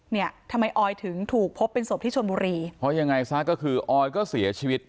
เนี่ยทำไมออยถึงถูกพบเป็นศพที่ชนบุรีเพราะยังไงซะก็คือออยก็เสียชีวิต